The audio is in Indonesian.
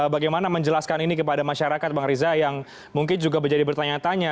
bagaimana menjelaskan ini kepada masyarakat bang riza yang mungkin juga menjadi bertanya tanya